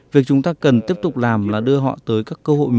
việc chúng ta cần tiếp tục làm là đưa họ tới các cơ quan chức năng